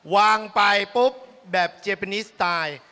วางไปปุ๊บแบบเจเปนิสไตล์